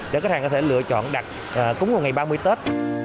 để khách hàng có thể lựa chọn đặt cúng vào ngày ba mươi tết